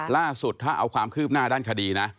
ล่าสุดถ้าเอาความคืบหน้าด้านคดีนะ